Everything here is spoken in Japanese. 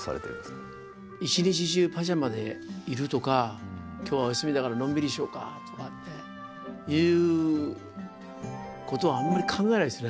一日中パジャマでいるとか今日はお休みだからのんびりしようかとかっていうことはあんまり考えないですね。